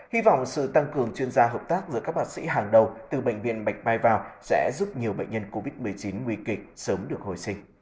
hy vọng sự tăng cường chuyên gia hợp tác giữa các bác sĩ hàng đầu từ bệnh viện bạch mai vào sẽ giúp nhiều bệnh nhân covid một mươi chín nguy kịch sớm được hồi sinh